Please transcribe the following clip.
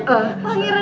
kenapa sister king